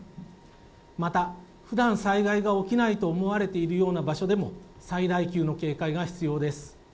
また普段、災害が起きないと思われているような場所でも最大級の警戒が必要です。